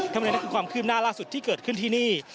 ทำให้นั่นเป็นความคืนน่ารักสุดที่เกิดขึ้นที่นี่